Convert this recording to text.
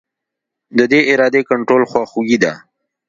د دې ارادې کنټرول خواخوږي ده.